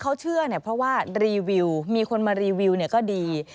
ขอเชื่อเพราะว่ามีคนมารีวิวก็ดี